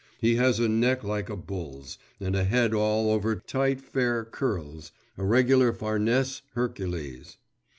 He has a neck like a bull's, and a head all over tight, fair curls a regular Farnese Hercules.